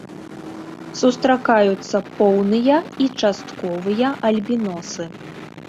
Сустракаюцца поўныя і частковыя альбіносы.